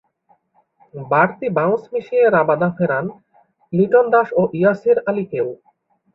বাড়তি বাউন্স মিশিয়ে রাবাদা ফেরান লিটন দাস ও ইয়াসির আলীকেও।